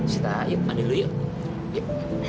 sita ayo mandi dulu yuk